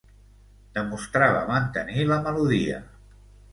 Demostrava mantenir la melodia.